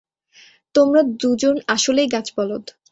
তোমরা দুজন আসলেই গাছ-বলদ!